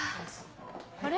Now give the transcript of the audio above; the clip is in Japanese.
あれ？